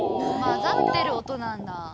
まざってるおとなんだ。